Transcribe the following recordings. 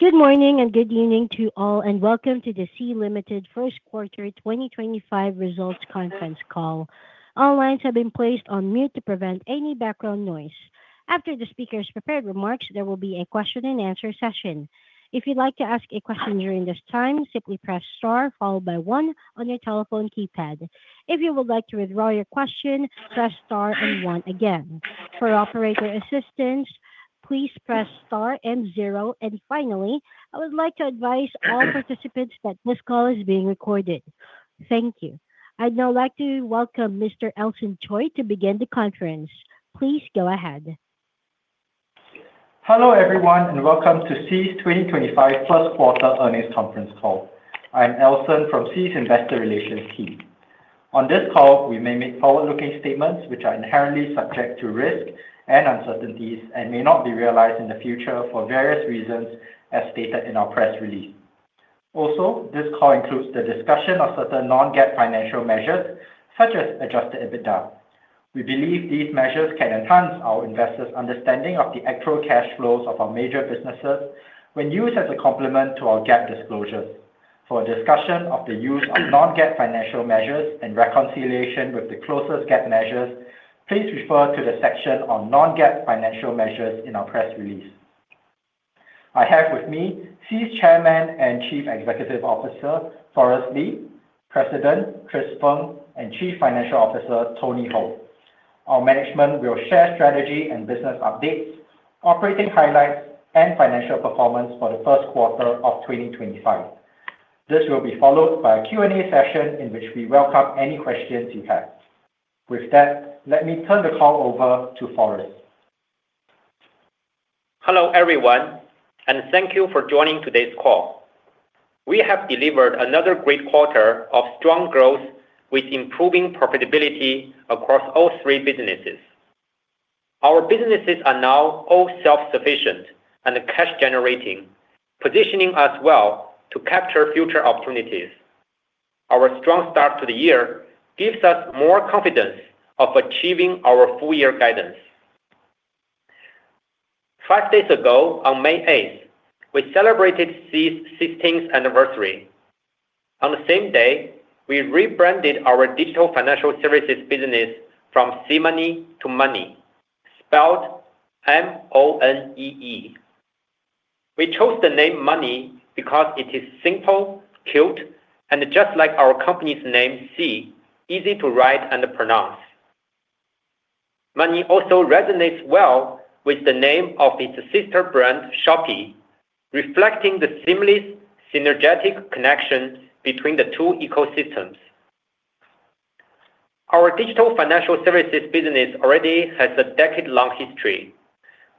Good morning and good evening to all, and welcome to the Sea Limited first quarter 2025 results conference call. All lines have been placed on mute to prevent any background noise. After the speaker's prepared remarks, there will be a question-and-answer session. If you'd like to ask a question during this time, simply press star followed by one on your telephone keypad. If you would like to withdraw your question, press star and one again. For operator assistance, please press star and zero. Finally, I would like to advise all participants that this call is being recorded. Thank you. I'd now like to welcome Mr. Elson Choi to begin the conference. Please go ahead. Hello everyone and welcome to Sea's 2025 first quarter earnings conference call. I'm Elson from Sea's Investor Relations team. On this call, we may make forward-looking statements which are inherently subject to risk and uncertainties and may not be realized in the future for various reasons as stated in our press release. Also, this call includes the discussion of certain non-GAAP financial measures such as adjusted EBITDA. We believe these measures can enhance our investors' understanding of the actual cash flows of our major businesses when used as a complement to our GAAP disclosures. For discussion of the use of non-GAAP financial measures and reconciliation with the closest GAAP measures, please refer to the section on non-GAAP financial measures in our press release. I have with me Sea's Chairman and Chief Executive Officer, Forrest Li, President, Chris Feng, and Chief Financial Officer, Tony Hou. Our management will share strategy and business updates, operating highlights, and financial performance for the first quarter of 2025. This will be followed by a Q&A session in which we welcome any questions you have. With that, let me turn the call over to Forrest. Hello everyone, and thank you for joining today's call. We have delivered another great quarter of strong growth with improving profitability across all three businesses. Our businesses are now all self-sufficient and cash-generating, positioning us well to capture future opportunities. Our strong start to the year gives us more confidence of achieving our full-year guidance. Five days ago, on May 8th, we celebrated Sea's 16th anniversary. On the same day, we rebranded our digital financial services business from SeaMoney to Monee, spelled M-O-N-E-E. We chose the name Monee because it is simple, cute, and just like our company's name, Sea, easy to write and pronounce. Monee also resonates well with the name of its sister brand, Shopee, reflecting the seamless, synergetic connection between the two ecosystems. Our digital financial services business already has a decade-long history.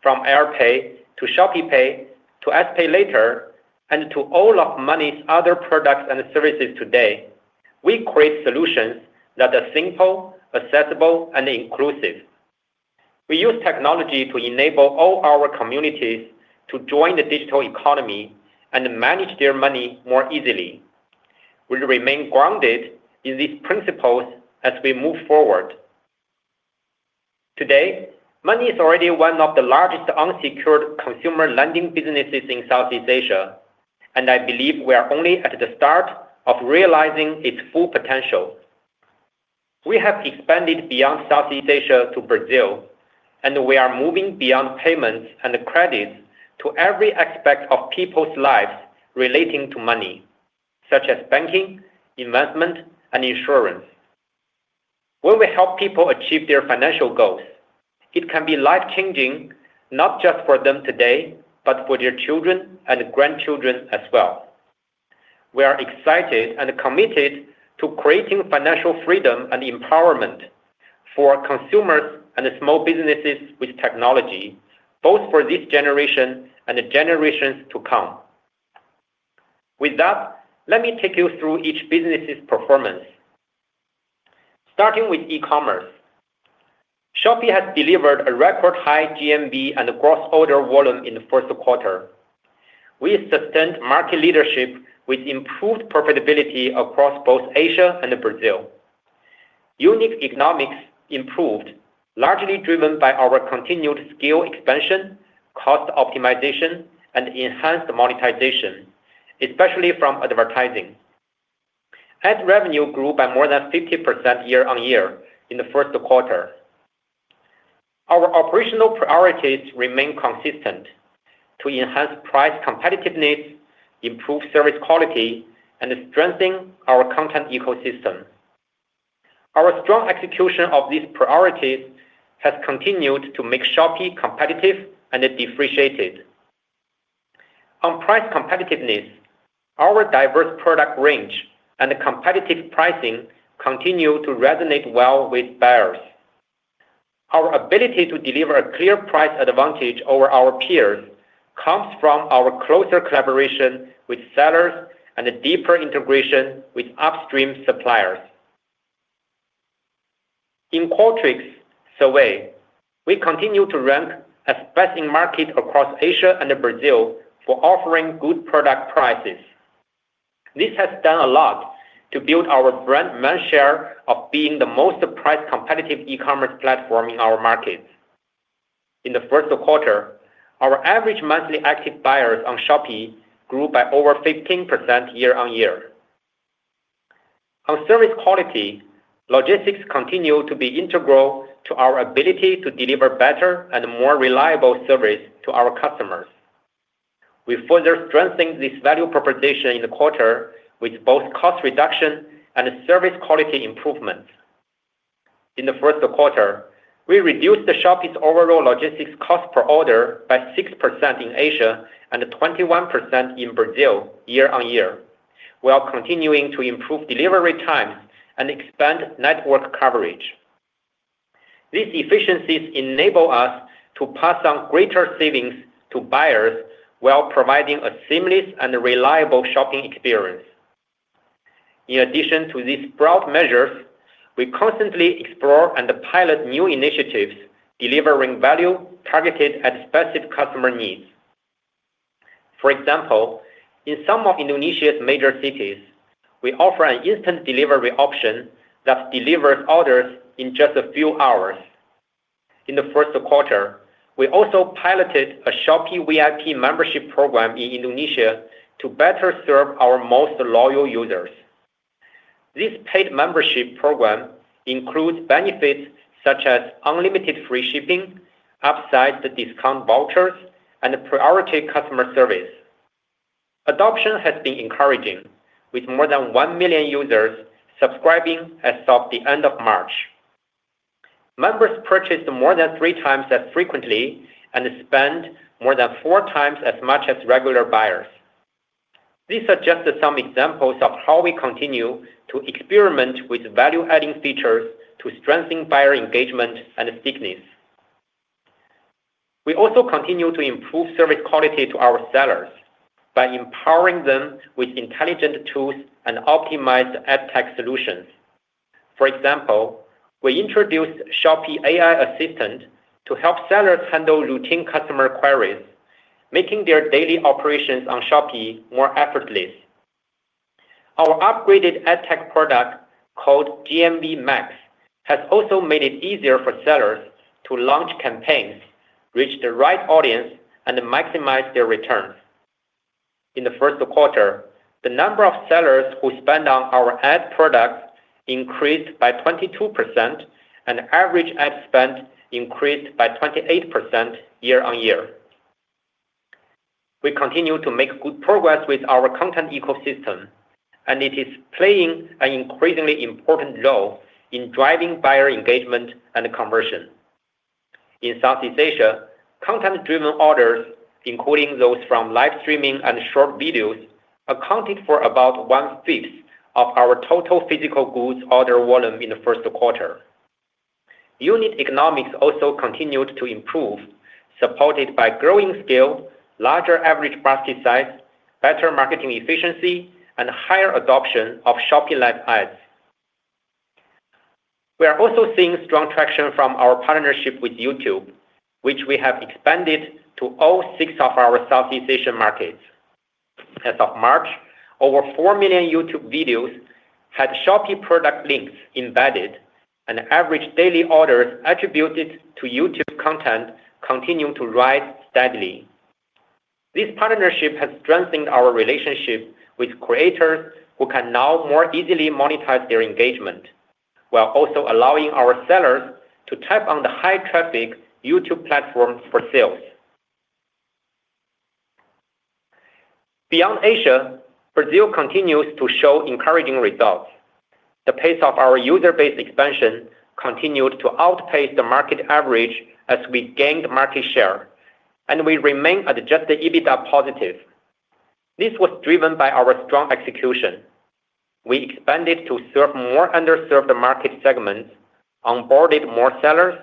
From AirPay to ShopeePay to SPayLater and to all of Monee's other products and services today, we create solutions that are simple, accessible, and inclusive. We use technology to enable all our communities to join the digital economy and manage their money more easily. We remain grounded in these principles as we move forward. Today, Monee is already one of the largest unsecured consumer lending businesses in Southeast Asia, and I believe we are only at the start of realizing its full potential. We have expanded beyond Southeast Asia to Brazil, and we are moving beyond payments and credits to every aspect of people's lives relating to money, such as banking, investment, and insurance. When we help people achieve their financial goals, it can be life-changing, not just for them today, but for their children and grandchildren as well. We are excited and committed to creating financial freedom and empowerment for consumers and small businesses with technology, both for this generation and the generations to come. With that, let me take you through each business's performance. Starting with e-commerce, Shopee has delivered a record-high GMV and gross order volume in the first quarter. We sustained market leadership with improved profitability across both Asia and Brazil. Unit economics improved, largely driven by our continued scale expansion, cost optimization, and enhanced monetization, especially from advertising. Ad revenue grew by more than 50% year-on-year in the first quarter. Our operational priorities remain consistent: to enhance price competitiveness, improve service quality, and strengthen our content ecosystem. Our strong execution of these priorities has continued to make Shopee competitive and differentiated. On price competitiveness, our diverse product range and competitive pricing continue to resonate well with buyers. Our ability to deliver a clear price advantage over our peers comes from our closer collaboration with sellers and deeper integration with upstream suppliers. In Qualtrics' survey, we continue to rank as best in market across Asia and Brazil for offering good product prices. This has done a lot to build our brand mansion of being the most price-competitive e-commerce platform in our market. In the first quarter, our average monthly active buyers on Shopee grew by over 15% year-on-year. On service quality, logistics continue to be integral to our ability to deliver better and more reliable service to our customers. We further strengthened this value proposition in the quarter with both cost reduction and service quality improvements. In the first quarter, we reduced Shopee's overall logistics cost per order by 6% in Asia and 21% in Brazil year-on-year, while continuing to improve delivery times and expand network coverage. These efficiencies enable us to pass on greater savings to buyers while providing a seamless and reliable shopping experience. In addition to these broad measures, we constantly explore and pilot new initiatives delivering value targeted at specific customer needs. For example, in some of Indonesia's major cities, we offer an instant delivery option that delivers orders in just a few hours. In the first quarter, we also piloted a Shopee VIP membership program in Indonesia to better serve our most loyal users. This paid membership program includes benefits such as unlimited free shipping, upside discount vouchers, and priority customer service. Adoption has been encouraging, with more than 1 million users subscribing as of the end of March. Members purchased more than three times as frequently and spend more than four times as much as regular buyers. These are just some examples of how we continue to experiment with value-adding features to strengthen buyer engagement and stickiness. We also continue to improve service quality to our sellers by empowering them with intelligent tools and optimized ad tech solutions. For example, we introduced Shopee AI Assistant to help sellers handle routine customer queries, making their daily operations on Shopee more effortless. Our upgraded ad tech product called GMV Max has also made it easier for sellers to launch campaigns, reach the right audience, and maximize their returns. In the first quarter, the number of sellers who spend on our ad product increased by 22%, and average ad spend increased by 28% year-on-year. We continue to make good progress with our content ecosystem, and it is playing an increasingly important role in driving buyer engagement and conversion. In Southeast Asia, content-driven orders, including those from live streaming and short videos, accounted for about one-fifth of our total physical goods order volume in the first quarter. Unit economics also continued to improve, supported by growing scale, larger average basket size, better marketing efficiency, and higher adoption of Shopee Live Ads. We are also seeing strong traction from our partnership with YouTube, which we have expanded to all six of our Southeast Asian markets. As of March, over 4 million YouTube videos had Shopee product links embedded, and average daily orders attributed to YouTube content continued to rise steadily. This partnership has strengthened our relationship with creators who can now more easily monetize their engagement, while also allowing our sellers to tap on the high-traffic YouTube platform for sales. Beyond Asia, Brazil continues to show encouraging results. The pace of our user base expansion continued to outpace the market average as we gained market share, and we remain at just the EBITDA positive. This was driven by our strong execution. We expanded to serve more underserved market segments, onboarded more sellers,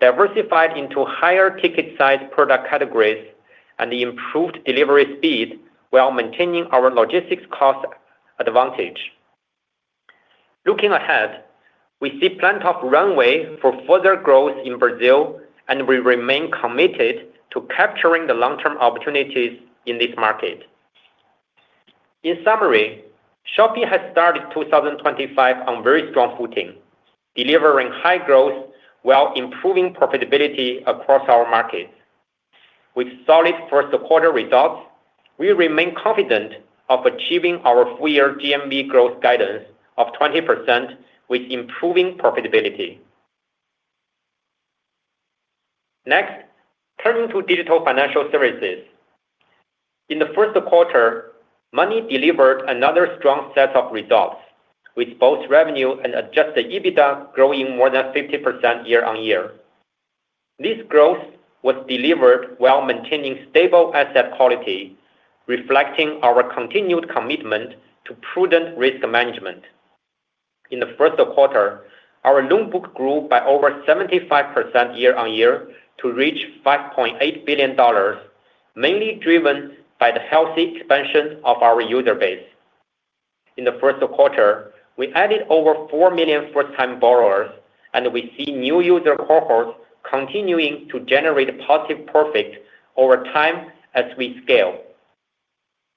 diversified into higher ticket size product categories, and improved delivery speed while maintaining our logistics cost advantage. Looking ahead, we see plenty of runway for further growth in Brazil, and we remain committed to capturing the long-term opportunities in this market. In summary, Shopee has started 2025 on very strong footing, delivering high growth while improving profitability across our markets. With solid first-quarter results, we remain confident of achieving our full-year GMV growth guidance of 20% with improving profitability. Next, turning to digital financial services. In the first quarter, Monee delivered another strong set of results, with both revenue and adjusted EBITDA growing more than 50% year-on-year. This growth was delivered while maintaining stable asset quality, reflecting our continued commitment to prudent risk management. In the first quarter, our loan book grew by over 75% year-on-year to reach $5.8 billion, mainly driven by the healthy expansion of our user base. In the first quarter, we added over 4 million first-time borrowers, and we see new user cohorts continuing to generate positive profit over time as we scale.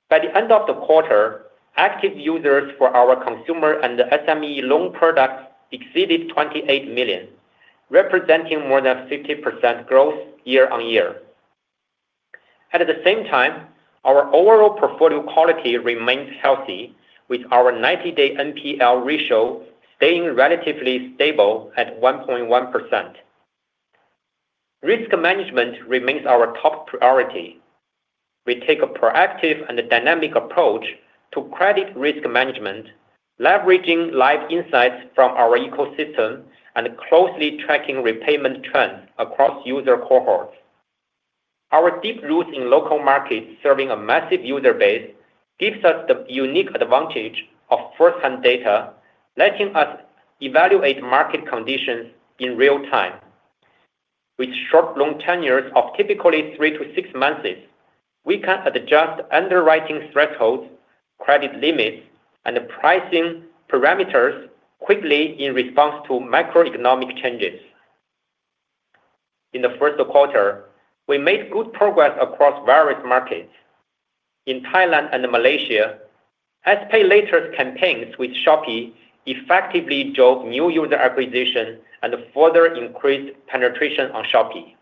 By the end of the quarter, active users for our consumer and SME loan product exceeded 28 million, representing more than 50% growth year-on-year. At the same time, our overall portfolio quality remains healthy, with our 90-day NPL ratio staying relatively stable at 1.1%. Risk management remains our top priority. We take a proactive and dynamic approach to credit risk management, leveraging live insights from our ecosystem and closely tracking repayment trends across user cohorts. Our deep roots in local markets, serving a massive user base, gives us the unique advantage of first-hand data, letting us evaluate market conditions in real time. With short loan tenures of typically three to six months, we can adjust underwriting thresholds, credit limits, and pricing parameters quickly in response to macroeconomic changes. In the first quarter, we made good progress across various markets. In Thailand and Malaysia, SPayLater's campaigns with Shopee effectively drove new user acquisition and further increased penetration on Shopee.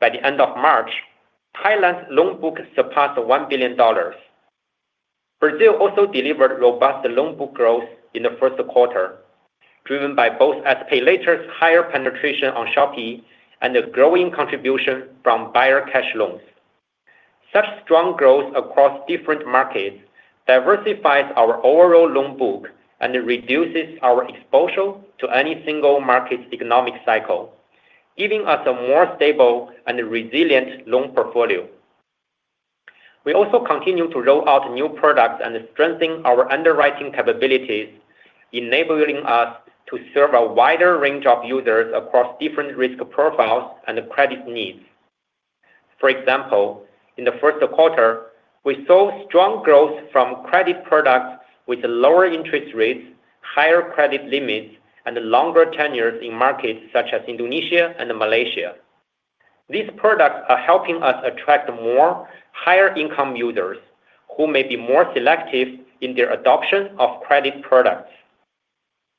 By the end of March, Thailand's loan book surpassed $1 billion. Brazil also delivered robust loan book growth in the first quarter, drive by both S-PayLater's higher penetration on Shopee and the growing contribution from buyer cash loans. Such strong growth across different markets diversifies our overall loan book and reduces our exposure to any single market's economic cycle, giving us a more stable and resilient loan portfolio. We also continue to roll out new products and strengthen our underwriting capabilities, enabling us to serve a wider range of users across different risk profiles and credit needs. For example, in the first quarter, we saw strong growth from credit products with lower interest rates, higher credit limits, and longer tenures in markets such as Indonesia and Malaysia. These products are helping us attract more higher-income users who may be more selective in their adoption of credit products.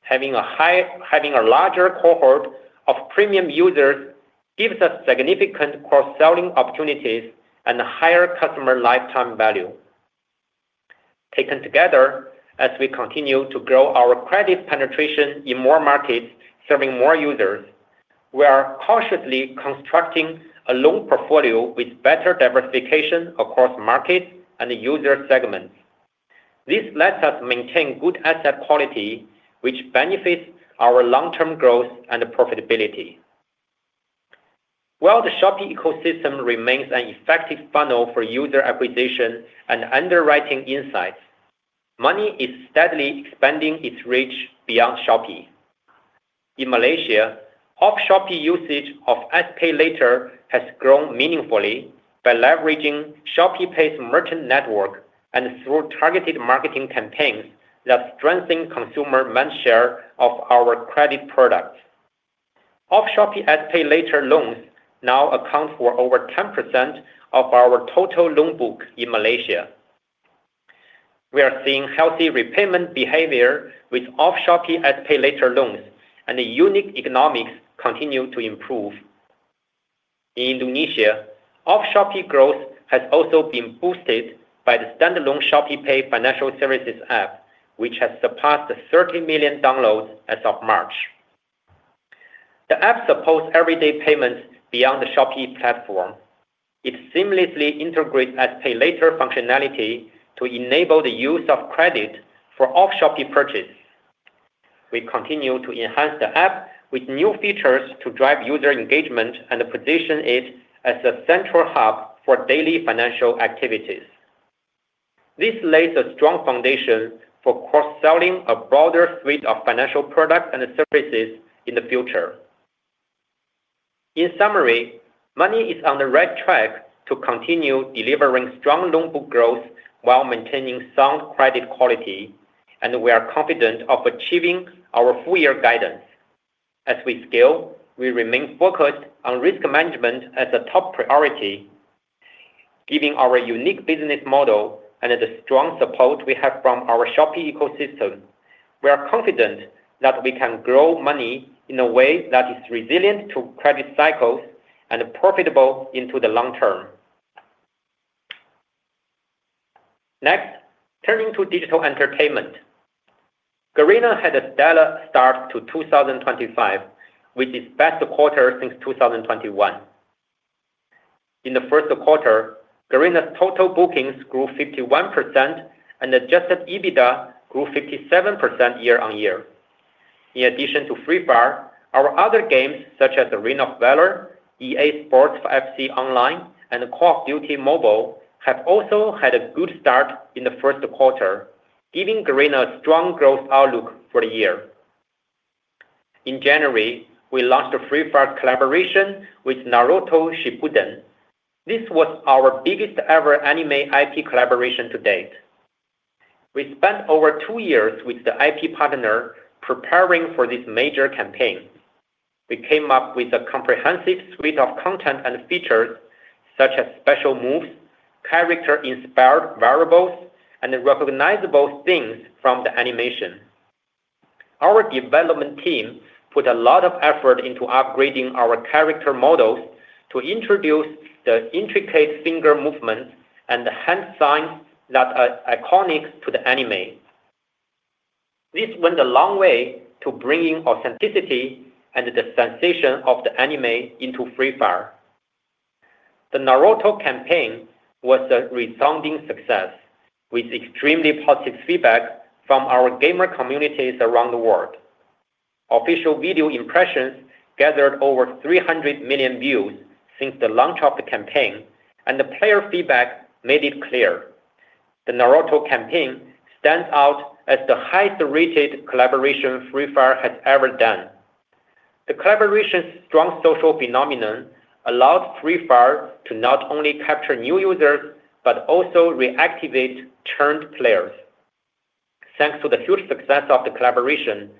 Having a larger cohort of premium users gives us significant cross-selling opportunities and higher customer lifetime value. Taken together, as we continue to grow our credit penetration in more markets, serving more users, we are cautiously constructing a loan portfolio with better diversification across markets and user segments. This lets us maintain good asset quality, which benefits our long-term growth and profitability. While the Shopee ecosystem remains an effective funnel for user acquisition and underwriting insights, Monee is steadily expanding its reach beyond Shopee. In Malaysia, off-Shopee usage of SPayLater has grown meaningfully by leveraging ShopeePay's merchant network and through targeted marketing campaigns that strengthen consumer mindshare of our credit products. Off-Shopee SPayLater loans now account for over 10% of our total loan book in Malaysia. We are seeing healthy repayment behavior with off-Shopee SPayLater loans, and the unique economics continue to improve. In Indonesia, off-Shopee growth has also been boosted by the standalone ShopeePay financial services app, which has surpassed 30 million downloads as of March. The app supports everyday payments beyond the Shopee platform. It seamlessly integrates SPayLater functionality to enable the use of credit for off-Shopee purchase. We continue to enhance the app with new features to drive user engagement and position it as a central hub for daily financial activities. This lays a strong foundation for cross-selling a broader suite of financial products and services in the future. In summary, Monee is on the right track to continue delivering strong loan book growth while maintaining sound credit quality, and we are confident of achieving our full-year guidance. As we scale, we remain focused on risk management as a top priority. Given our unique business model and the strong support we have from our Shopee ecosystem, we are confident that we can grow Monee in a way that is resilient to credit cycles and profitable into the long term. Next, turning to digital entertainment, Garena had a stellar start to 2025 with its best quarter since 2021. In the first quarter, Garena's total bookings grew 51%, and adjusted EBITDA grew 57% year-on-year. In addition to Free Fire, our other games, such as Ring of Valor, EA Sports FC Online, and Call of Duty Mobile, have also had a good start in the first quarter, giving Garena a strong growth outlook for the year. In January, we launched a Free Fire collaboration with Naruto Shippuden. This was our biggest ever anime IP collaboration to date. We spent over two years with the IP partner preparing for this major campaign. We came up with a comprehensive suite of content and features, such as special moves, character-inspired variables, and recognizable things from the animation. Our development team put a lot of effort into upgrading our character models to introduce the intricate finger movements and hand signs that are iconic to the anime. This went a long way to bringing authenticity and the sensation of the anime into Free Fire. The Naruto campaign was a resounding success, with extremely positive feedback from our gamer communities around the world. Official video impressions gathered over 300 million views since the launch of the campaign, and the player feedback made it clear. The Naruto campaign stands out as the highest-rated collaboration Free Fire has ever done. The collaboration's strong social phenomenon allowed Free Fire to not only capture new users but also reactivate churned players. Thanks to the huge success of the collaboration,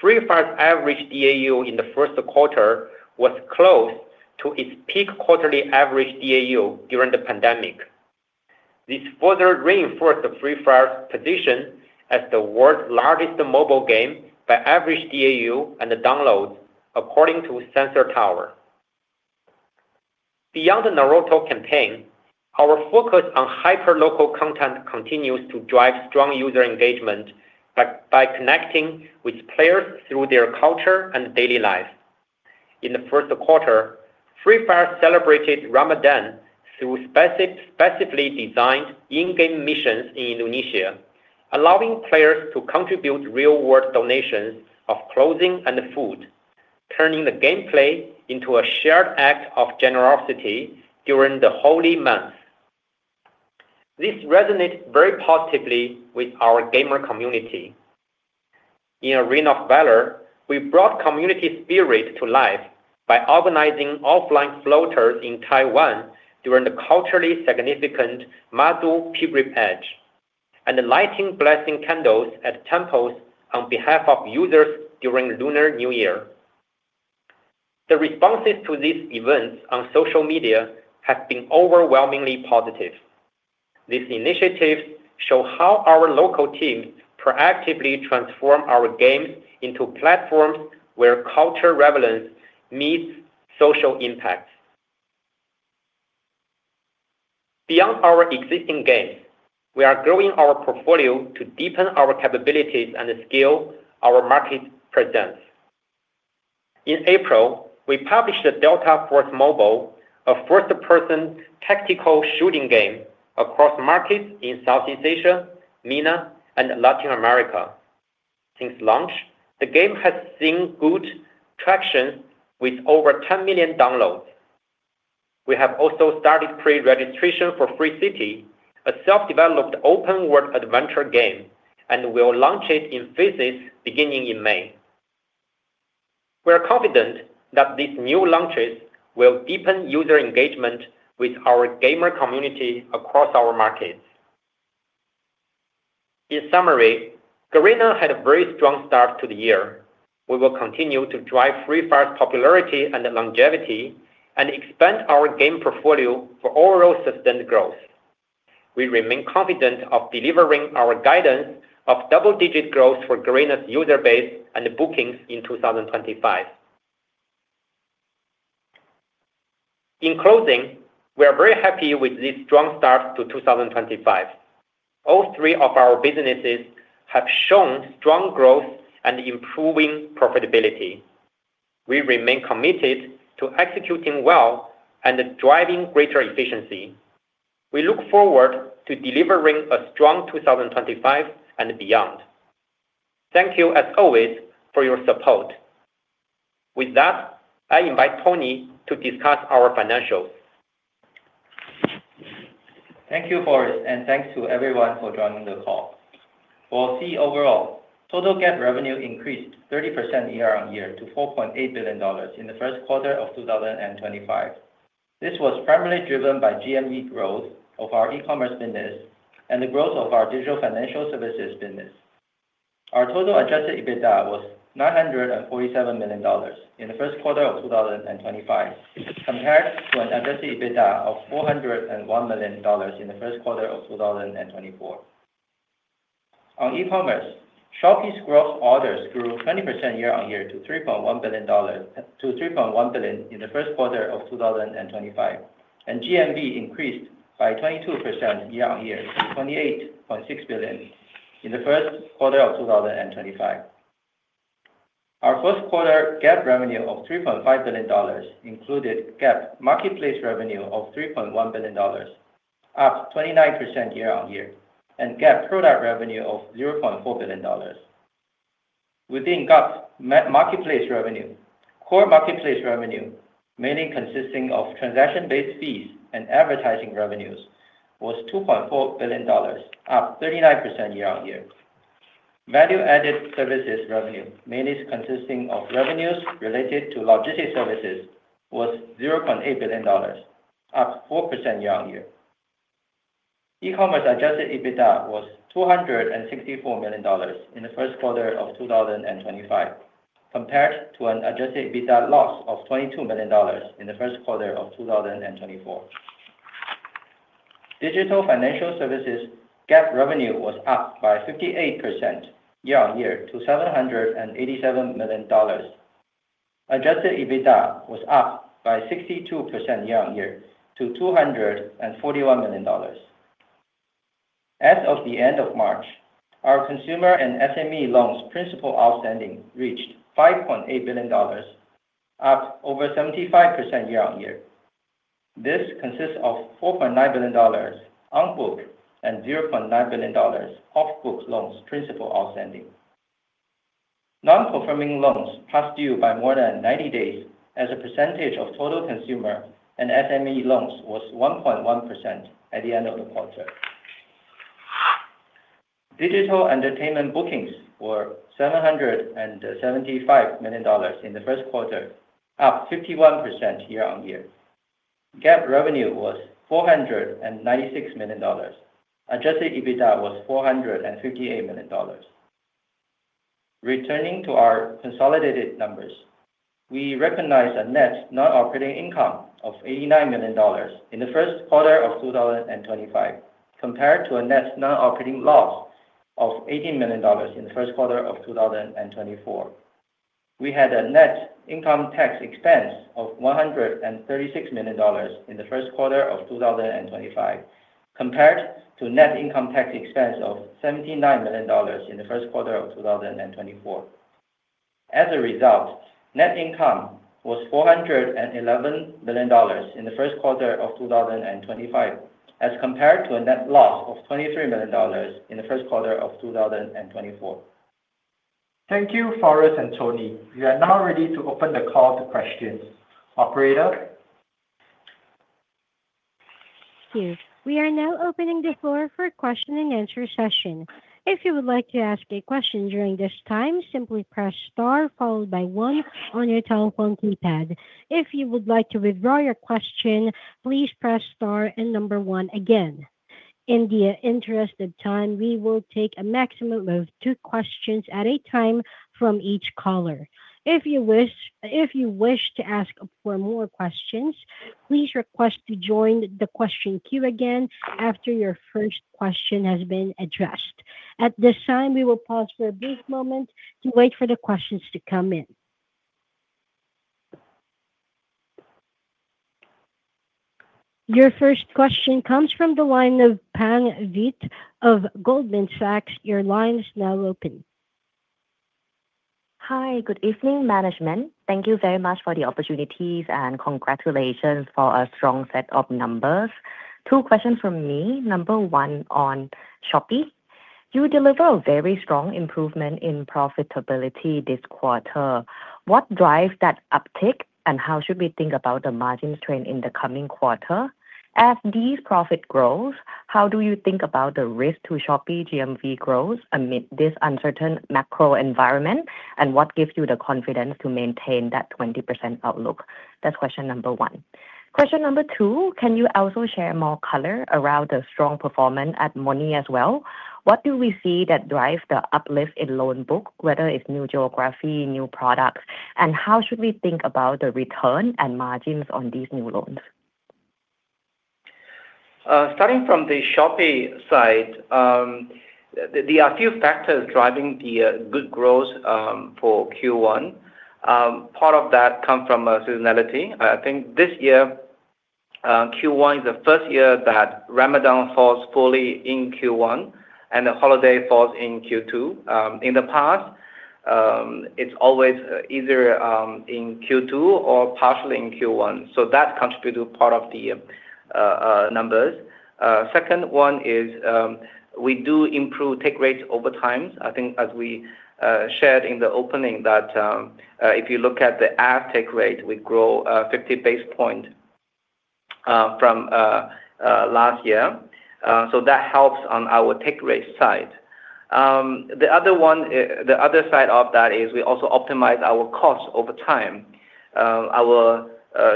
Free Fire's average DAU in the first quarter was close to its peak quarterly average DAU during the pandemic. This further reinforced Free Fire's position as the world's largest mobile game by average DAU and downloads, according to Sensor Tower. Beyond the Naruto campaign, our focus on hyper-local content continues to drive strong user engagement by connecting with players through their culture and daily life. In the first quarter, Free Fire celebrated Ramadan through specifically designed in-game missions in Indonesia, allowing players to contribute real-world donations of clothing and food, turning the gameplay into a shared act of generosity during the holy months. This resonates very positively with our gamer community. In Ring of Valor, we brought community spirit to life by organizing offline floaters in Taiwan during the culturally significant Mazu Pilgrimage, and lighting blessing candles at temples on behalf of users during Lunar New Year. The responses to these events on social media have been overwhelmingly positive. These initiatives show how our local teams proactively transform our games into platforms where cultural relevance meets social impact. Beyond our existing games, we are growing our portfolio to deepen our capabilities and scale our market presence. In April, we published Delta Force Mobile, a first-person tactical shooting game across markets in Southeast Asia, MENA, and Latin America. Since launch, the game has seen good traction with over 10 million downloads. We have also started pre-registration for Free City, a self-developed open-world adventure game, and we'll launch it in phases beginning in May. We are confident that these new launches will deepen user engagement with our gamer community across our markets. In summary, Garena had a very strong start to the year. We will continue to drive Free Fire's popularity and longevity and expand our game portfolio for overall sustained growth. We remain confident of delivering our guidance of double-digit growth for Garena's user base and bookings in 2025. In closing, we are very happy with this strong start to 2025. All three of our businesses have shown strong growth and improving profitability. We remain committed to executing well and driving greater efficiency. We look forward to delivering a strong 2025 and beyond. Thank you, as always, for your support. With that, I invite Tony to discuss our financials. Thank you, Forrest, and thanks to everyone for joining the call. For Sea, total GAAP revenue increased 30% year-on-year to $4.8 billion in the first quarter of 2025. This was primarily driven by GMV growth of our e-commerce business and the growth of our digital financial services business. Our total adjusted EBITDA was $947 million in the first quarter of 2025, compared to an adjusted EBITDA of $401 million in the first quarter of 2024. On e-commerce, Shopee's gross orders grew 20% year-on-year to $3.1 billion in the first quarter of 2025, and GMV increased by 22% year-on-year to $28.6 billion in the first quarter of 2025. Our first quarter GAAP revenue of $3.5 billion included GAAP marketplace revenue of $3.1 billion, up 29% year-on-year, and GAAP product revenue of $0.4 billion. Within GAAP marketplace revenue, core marketplace revenue, mainly consisting of transaction-based fees and advertising revenues, was $2.4 billion, up 39% year-on-year. Value-added services revenue, mainly consisting of revenues related to logistics services, was $0.8 billion, up 4% year-on-year. E-commerce adjusted EBITDA was $264 million in the first quarter of 2025, compared to an adjusted EBITDA loss of $22 million in the first quarter of 2024. Digital financial services GAAP revenue was up by 58% year-on-year to $787 million. Adjusted EBITDA was up by 62% year-on-year to $241 million. As of the end of March, our consumer and SME loans principal outstanding reached $5.8 billion, up over 75% year-on-year. This consists of $4.9 billion on book and $0.9 billion off book loans principal outstanding. Non-performing loans past due by more than 90 days as a percentage of total consumer and SME loans was 1.1% at the end of the quarter. Digital entertainment bookings were $775 million in the first quarter, up 51% year-on-year. GAAP revenue was $496 million. Adjusted EBITDA was $458 million. Returning to our consolidated numbers, we recognize a net non-operating income of $89 million in the first quarter of 2025, compared to a net non-operating loss of $18 million in the first quarter of 2024. We had a net income tax expense of $136 million in the first quarter of 2025, compared to net income tax expense of $79 million in the first quarter of 2024. As a result, net income was $411 million in the first quarter of 2025, as compared to a net loss of $23 million in the first quarter of 2024. Thank you, Forrest and Tony. You are now ready to open the call to questions. Operator? Thank you. We are now opening the floor for a question-and-answer session. If you would like to ask a question during this time, simply press star followed by one on your telephone keypad. If you would like to withdraw your question, please press star and number one again. In the interest of time, we will take a maximum of two questions at a time from each caller. If you wish to ask for more questions, please request to join the question queue again after your first question has been addressed. At this time, we will pause for a brief moment to wait for the questions to come in. Your first question comes from the line of Pang Vitt of Goldman Sachs. Your line is now open. Hi, good evening, management. Thank you very much for the opportunities and congratulations for a strong set of numbers. Two questions from me. Number one on Shopee. You deliver a very strong improvement in profitability this quarter. What drives that uptick, and how should we think about the margin strain in the coming quarter? As these profits grow, how do you think about the risk to Shopee GMV growth amid this uncertain macro environment, and what gives you the confidence to maintain that 20% outlook? That's question number one. Question number two, can you also share more color around the strong performance at Monee as well? What do we see that drives the uplift in loan books, whether it's new geography, new products, and how should we think about the return and margins on these new loans? Starting from the Shopee side, there are a few factors driving the good growth for Q1. Part of that comes from seasonality. I think this year, Q1 is the first year that Ramadan falls fully in Q1, and the holiday falls in Q2. In the past, it's always either in Q2 or partially in Q1. That contributes to part of the numbers. Second one is we do improve take rates over time. I think, as we shared in the opening, that if you look at the ad take rate, we grow 50 basis points from last year. That helps on our take rate side. The other side of that is we also optimize our costs over time. Our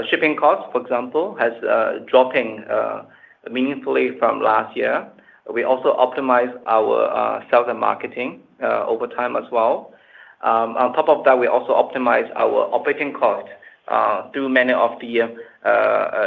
shipping costs, for example, have dropped meaningfully from last year. We also optimize our sales and marketing over time as well. On top of that, we also optimize our operating costs through many of the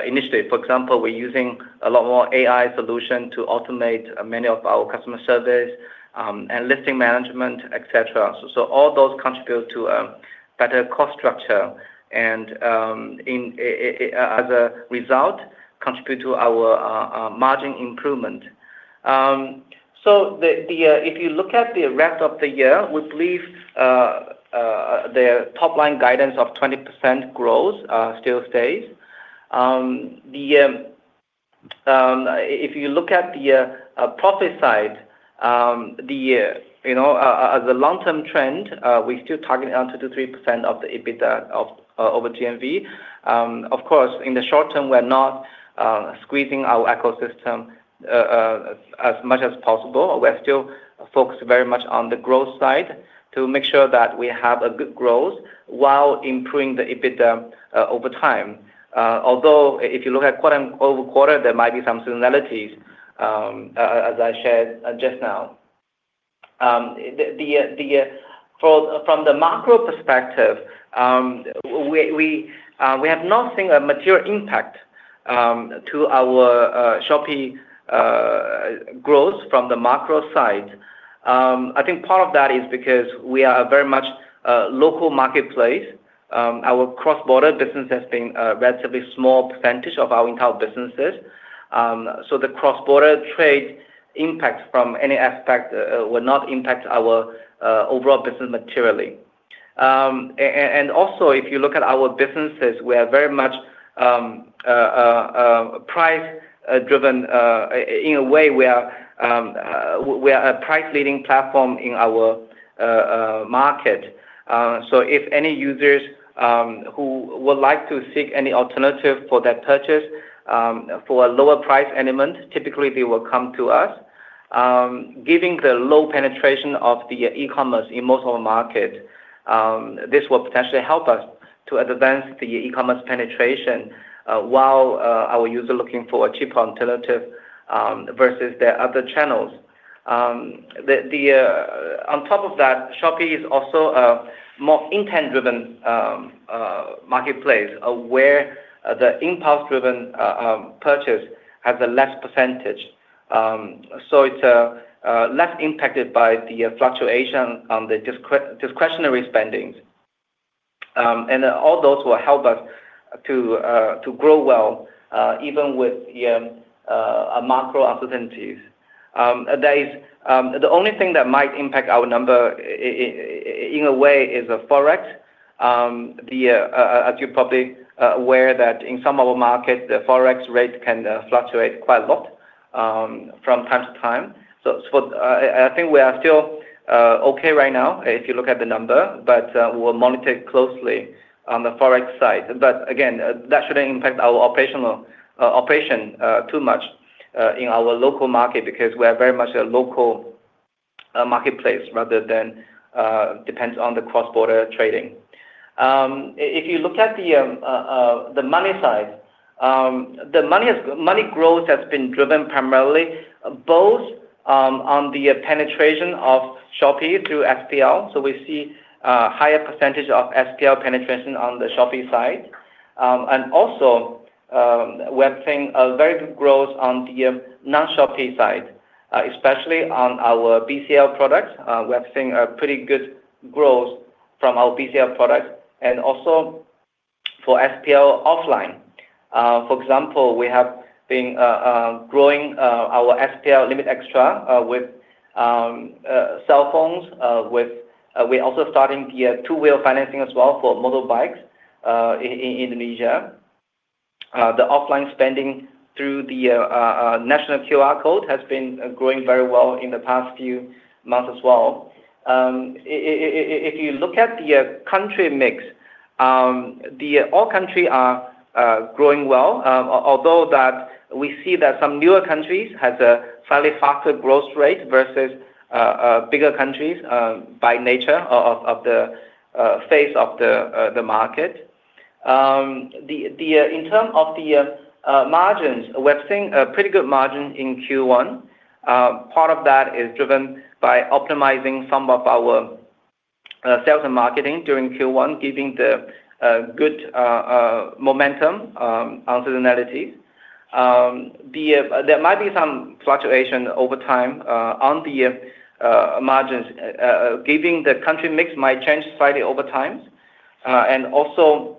initiatives. For example, we're using a lot more AI solutions to automate many of our customer service and listing management, etc. All those contribute to a better cost structure and, as a result, contribute to our margin improvement. If you look at the rest of the year, we believe the top-line guidance of 20% growth still stays. If you look at the profit side, the long-term trend, we're still targeting on 2%-3% of the EBITDA over GMV. Of course, in the short term, we're not squeezing our ecosystem as much as possible. We're still focused very much on the growth side to make sure that we have a good growth while improving the EBITDA over time. Although, if you look at quarter-over-quarter, there might be some seasonalities, as I shared just now. From the macro perspective, we have not seen a material impact to our Shopee growth from the macro side. I think part of that is because we are a very much local marketplace. Our cross-border business has been a relatively small percentage of our entire businesses. So the cross-border trade impact from any aspect will not impact our overall business materially. Also, if you look at our businesses, we are very much price-driven in a way. We are a price-leading platform in our market. If any users who would like to seek any alternative for their purchase for a lower price element, typically they will come to us. Given the low penetration of e-commerce in most of our market, this will potentially help us to advance the e-commerce penetration while our users are looking for a cheaper alternative versus their other channels. On top of that, Shopee is also a more intent-driven marketplace where the impulse-driven purchase has a lower percentage. It is less impacted by the fluctuation on discretionary spending. All those will help us to grow well even with macro opportunities. The only thing that might impact our number in a way is the Forex. As you're probably aware, in some of our markets, the Forex rate can fluctuate quite a lot from time to time. I think we are still okay right now if you look at the number, but we'll monitor closely on the Forex side. Again, that shouldn't impact our operation too much in our local market because we are very much a local marketplace rather than dependent on the cross-border trading. If you look at the Monee side, the Monee growth has been driven primarily both on the penetration of Shopee through SPL. We see a higher percentage of SPL penetration on the Shopee side. Also, we're seeing a very good growth on the non-Shopee side, especially on our BCL products. We're seeing a pretty good growth from our BCL products. Also for SPL offline, for example, we have been growing our SPL limit extra with cell phones. We're also starting the two-wheel financing as well for motorbikes in Indonesia. The offline spending through the national QR code has been growing very well in the past few months as well. If you look at the country mix, all countries are growing well, although we see that some newer countries have a slightly faster growth rate versus bigger countries by nature of the face of the market. In terms of the margins, we're seeing a pretty good margin in Q1. Part of that is driven by optimizing some of our sales and marketing during Q1, giving the good momentum on seasonalities. There might be some fluctuation over time on the margins, given the country mix might change slightly over time. Also,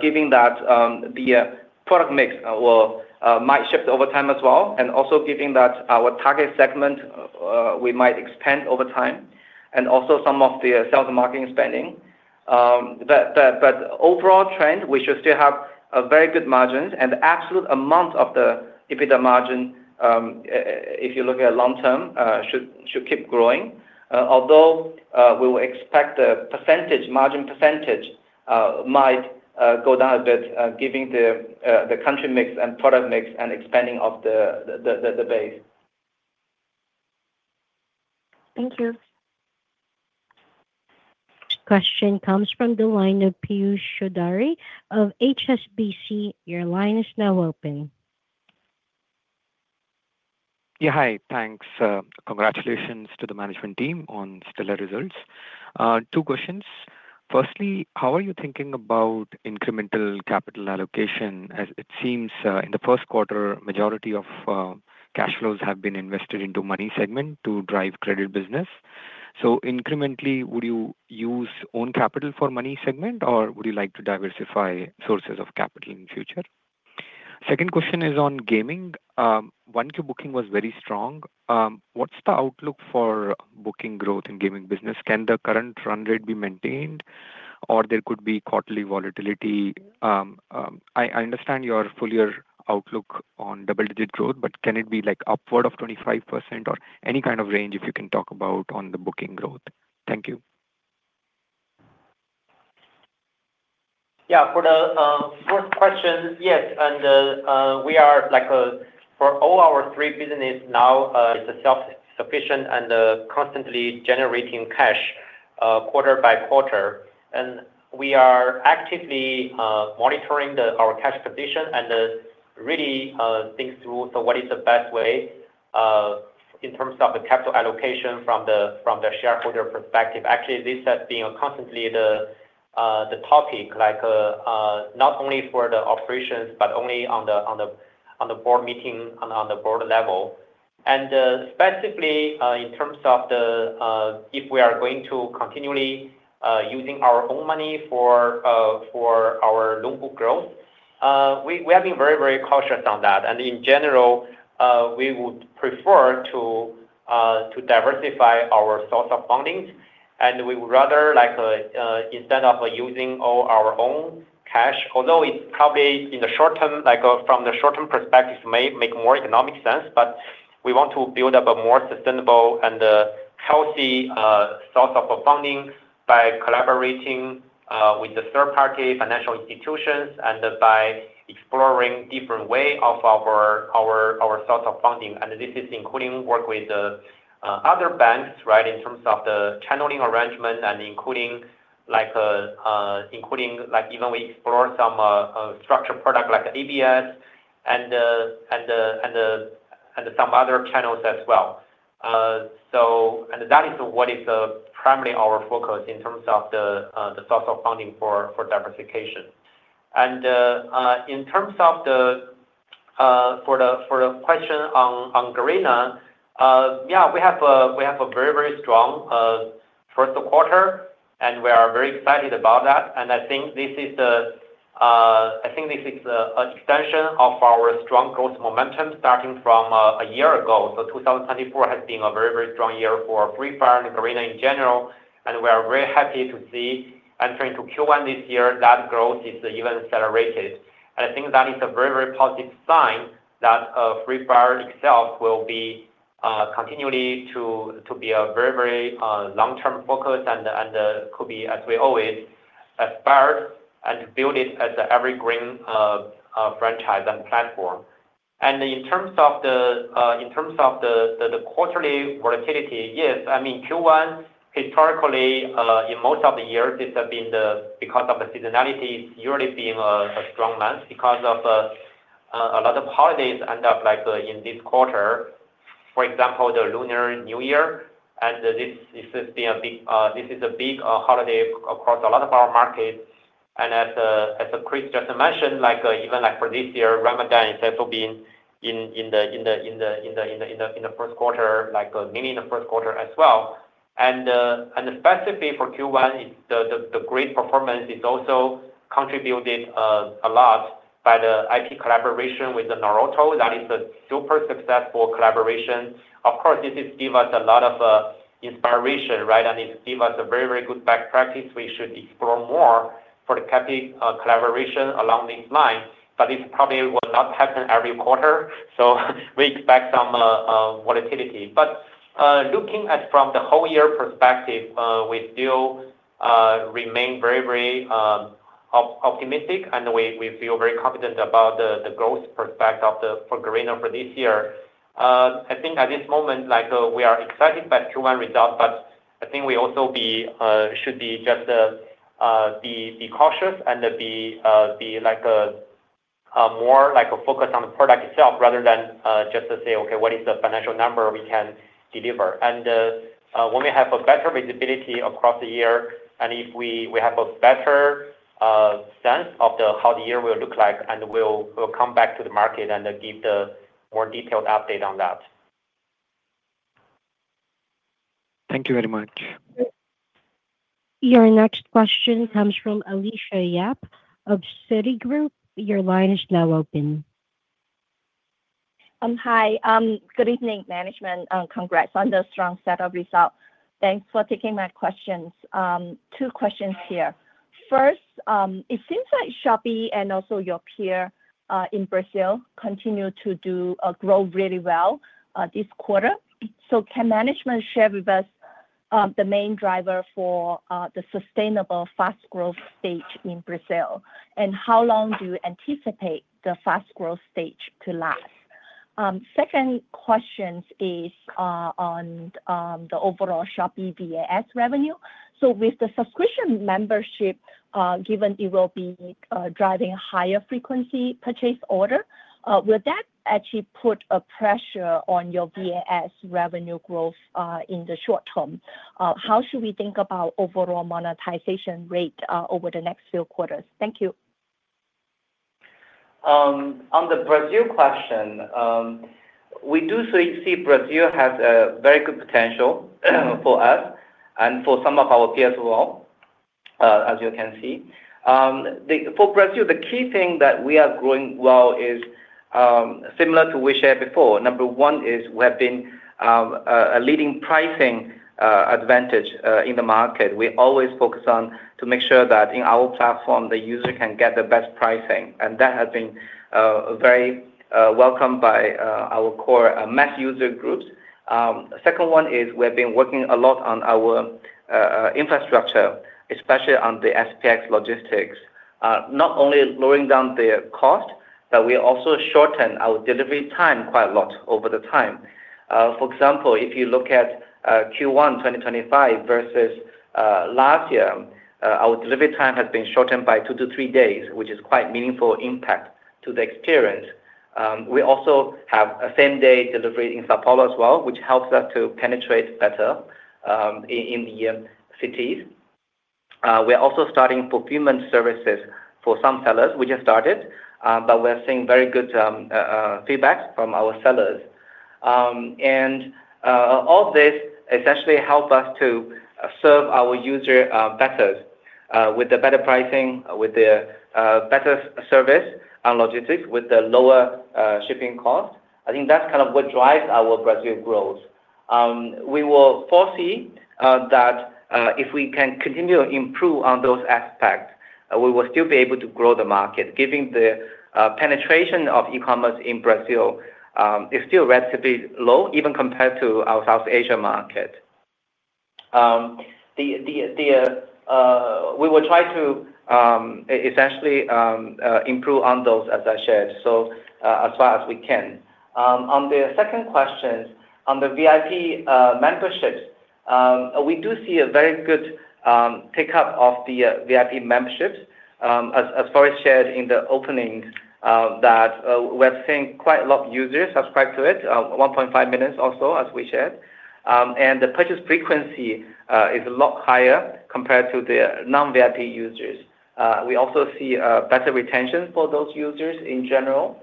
given that the product mix might shift over time as well, and also given that our target segment, we might expand over time. Also some of the sales and marketing spending. Overall trend, we should still have very good margins, and the absolute amount of the EBITDA margin, if you look at long term, should keep growing. Although we will expect the margin percentage might go down a bit, given the country mix and product mix and expanding of the base. Thank you. Question comes from the line of Piyush Choudhary of HSBC. Your line is now open. Yeah, hi. Thanks. Congratulations to the management team on stellar results. Two questions. Firstly, how are you thinking about incremental capital allocation? As it seems in the first quarter, the majority of cash flows have been invested into the Monee segment to drive credit business. So incrementally, would you use own capital for the Monee segment, or would you like to diversify sources of capital in the future? Second question is on gaming. Q booking was very strong. What's the outlook for booking growth in gaming business? Can the current run rate be maintained, or there could be quarterly volatility? I understand your full year outlook on double-digit growth, but can it be upward of 25% or any kind of range if you can talk about on the booking growth? Thank you. Yeah, for the first question, yes. We are, for all our three businesses now, self-sufficient and constantly generating cash quarter by quarter. We are actively monitoring our cash position and really thinking through what is the best way in terms of the capital allocation from the shareholder perspective. Actually, this has been constantly the topic, not only for the operations, but also on the board meeting and on the board level. Specifically, in terms of if we are going to continually use our own money for our loan book growth, we have been very, very cautious on that. In general, we would prefer to diversify our source of funding, and we would rather, instead of using all our own cash, although it's probably in the short term, from the short-term perspective, it may make more economic sense, we want to build up a more sustainable and healthy source of funding by collaborating with third-party financial institutions and by exploring different ways of our source of funding. This is including work with other banks in terms of the channeling arrangement and including even we explore some structured products like ABS and some other channels as well. That is what is primarily our focus in terms of the source of funding for diversification. In terms of the question on Garena, yeah, we have a very, very strong first quarter, and we are very excited about that. I think this is an extension of our strong growth momentum starting from a year ago. 2024 has been a very, very strong year for Free Fire and Garena in general. We are very happy to see entering into Q1 this year, that growth is even accelerated. I think that is a very, very positive sign that Free Fire itself will be continually to be a very, very long-term focus and could be, as we always aspired, to build it as an evergreen franchise and platform. In terms of the quarterly volatility, yes. I mean, Q1, historically, in most of the years, it's been because of the seasonality, it's usually been a strong month because of a lot of holidays end up in this quarter. For example, the Lunar New Year. This is a big holiday across a lot of our markets. As Chris just mentioned, even for this year, Ramadan and Sefs have been in the first quarter, mainly in the first quarter as well. Specifically for Q1, the great performance is also contributed a lot by the IP collaboration with Naruto, that is a super successful collaboration. Of course, this has given us a lot of inspiration, and it's given us a very, very good best practice. We should explore more for the IP collaboration along this line. This probably will not happen every quarter, so we expect some volatility. Looking at it from the whole year perspective, we still remain very, very optimistic, and we feel very confident about the growth perspective for Garena for this year. I think at this moment, we are excited by Q1 results, but I think we also should just be cautious and be more focused on the product itself rather than just to say, "Okay, what is the financial number we can deliver?" When we have better visibility across the year, and if we have a better sense of how the year will look like, we will come back to the market and give a more detailed update on that. Thank you very much. Your next question comes from Alicia Yap of Citigroup. Your line is now open. Hi. Good evening, management. Congrats on the strong set of results. Thanks for taking my questions. Two questions here. First, it seems like Shopee and also your peer in Brazil continue to grow really well this quarter. Can management share with us the main driver for the sustainable fast growth stage in Brazil? How long do you anticipate the fast growth stage to last? Second question is on the overall Shopee VAS revenue. With the subscription membership, given it will be driving higher frequency purchase order, will that actually put a pressure on your VAS revenue growth in the short term? How should we think about overall monetization rate over the next few quarters? Thank you. On the Brazil question, we do see Brazil has a very good potential for us and for some of our peers as well, as you can see. For Brazil, the key thing that we are growing well is similar to what we shared before. Number one is we have been a leading pricing advantage in the market. We always focus on to make sure that in our platform, the user can get the best pricing. That has been very welcomed by our core mass user groups. Second one is we have been working a lot on our infrastructure, especially on the SPX logistics. Not only lowering down the cost, but we also shortened our delivery time quite a lot over the time. For example, if you look at Q1 2025 versus last year, our delivery time has been shortened by two to three days, which is quite a meaningful impact to the experience. We also have a same-day delivery in São Paulo as well, which helps us to penetrate better in the cities. We're also starting fulfillment services for some sellers. We just started, but we're seeing very good feedback from our sellers. All this essentially helps us to serve our users better with better pricing, with better service and logistics, with lower shipping cost. I think that's kind of what drives our Brazil growth. We will foresee that if we can continue to improve on those aspects, we will still be able to grow the market, given the penetration of e-commerce in Brazil is still relatively low, even compared to our South Asia market. We will try to essentially improve on those, as I shared, as far as we can. On the second question, on the VIP memberships, we do see a very good pickup of the VIP memberships, as Forrest shared in the opening, that we've seen quite a lot of users subscribe to it, 1.5 million or so, as we shared. The purchase frequency is a lot higher compared to the non-VIP users. We also see better retention for those users in general.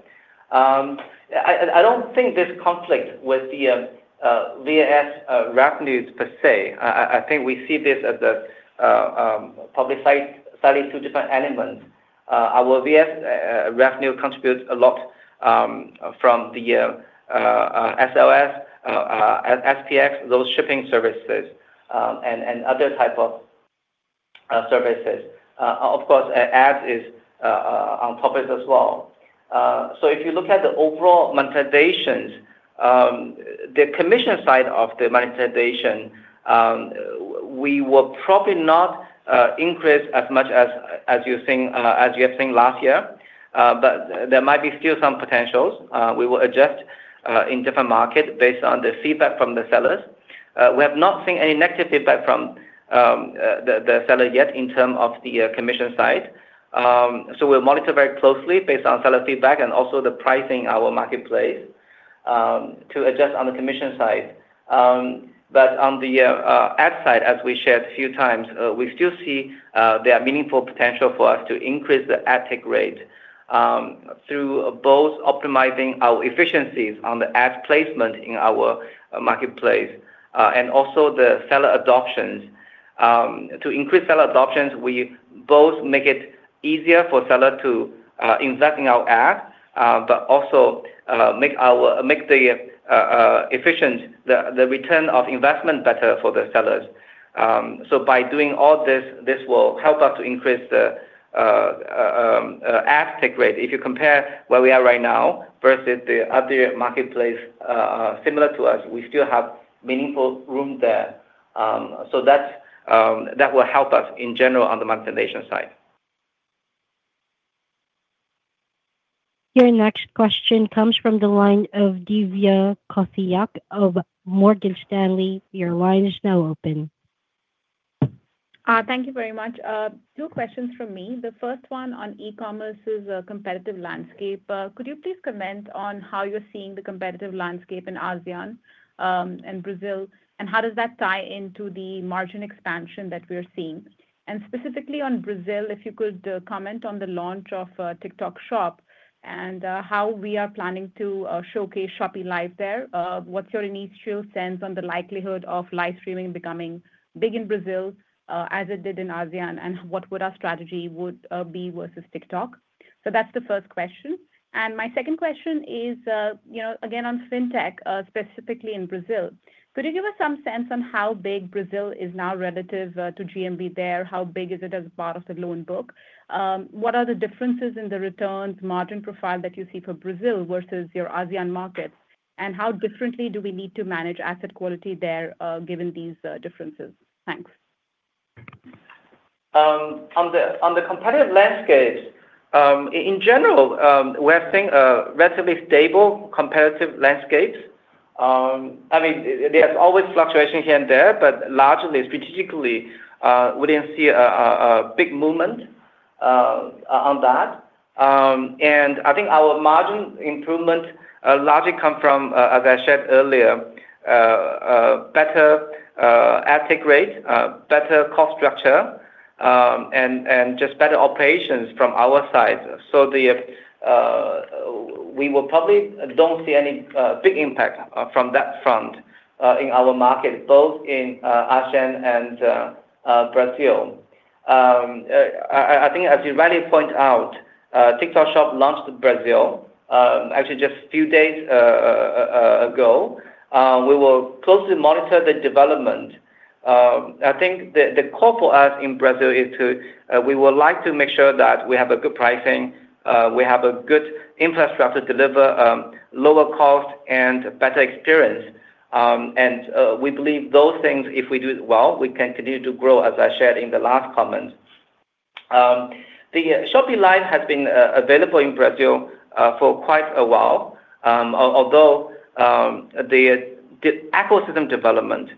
I don't think this conflicts with the VAS revenues per se. I think we see this as probably slightly two different elements. Our VAS revenue contributes a lot from the SLS, SPX, those shipping services, and other types of services. Of course, ads is on top of this as well. If you look at the overall monetizations, the commission side of the monetization, we will probably not increase as much as you have seen last year, but there might be still some potentials. We will adjust in different markets based on the feedback from the sellers. We have not seen any negative feedback from the seller yet in terms of the commission side. We will monitor very closely based on seller feedback and also the pricing in our marketplace to adjust on the commission side. On the ad side, as we shared a few times, we still see there are meaningful potential for us to increase the ad tech rate through both optimizing our efficiencies on the ad placement in our marketplace and also the seller adoptions. To increase seller adoptions, we both make it easier for sellers to invest in our ads, but also make the return of investment better for the sellers. By doing all this, this will help us to increase the ad tech rate. If you compare where we are right now versus the other marketplace similar to us, we still have meaningful room there. That will help us in general on the monetization side. Your next question comes from the line of Divya Kothiyal of Morgan Stanley. Your line is now open. Thank you very much. Two questions from me. The first one on e-commerce's competitive landscape. Could you please comment on how you're seeing the competitive landscape in ASEAN and Brazil, and how does that tie into the margin expansion that we are seeing? Specifically on Brazil, if you could comment on the launch of TikTok Shop and how we are planning to showcase Shopee Live there. What's your initial sense on the likelihood of live streaming becoming big in Brazil as it did in ASEAN, and what would our strategy be versus TikTok? That's the first question. My second question is, again, on fintech, specifically in Brazil. Could you give us some sense on how big Brazil is now relative to GMV there? How big is it as part of the loan book? What are the differences in the returns, margin profile that you see for Brazil versus your ASEAN markets, and how differently do we need to manage asset quality there given these differences? Thanks. On the competitive landscapes, in general, we're seeing a relatively stable competitive landscape. I mean, there's always fluctuation here and there, but largely, strategically, we didn't see a big movement on that. I think our margin improvement largely comes from, as I shared earlier, better ad tech rate, better cost structure, and just better operations from our side. We will probably don't see any big impact from that front in our market, both in ASEAN and Brazil. I think, as you rightly point out, TikTok Shop launched in Brazil actually just a few days ago. We will closely monitor the development. I think the core for us in Brazil is we would like to make sure that we have good pricing, we have a good infrastructure to deliver lower cost and better experience. We believe those things, if we do it well, we can continue to grow, as I shared in the last comment. Shopee Live has been available in Brazil for quite a while, although the ecosystem development